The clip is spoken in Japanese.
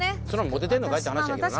モテてんのかいって話やけどな。